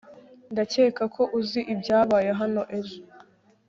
ndakeka ko uzi ibyabaye hano ejo